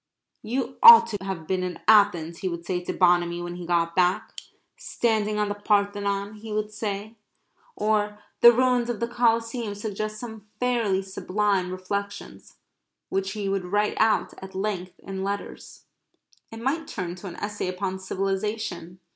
"You ought to have been in Athens," he would say to Bonamy when he got back. "Standing on the Parthenon," he would say, or "The ruins of the Coliseum suggest some fairly sublime reflections," which he would write out at length in letters. It might turn to an essay upon civilization.